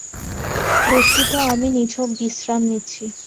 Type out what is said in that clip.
বস্তুত আমি নিছক বিশ্রাম নিচ্ছি।